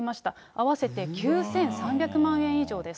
合わせて９３００万円以上です。